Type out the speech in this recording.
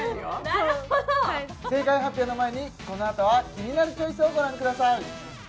なるほど正解発表の前にこのあとは「キニナルチョイス」をご覧ください